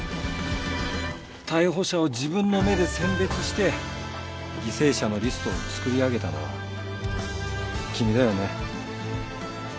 逮捕者を自分の目で選別して犠牲者のリストを作り上げたのは君だよね？